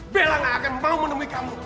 bella gak akan mau menemui kamu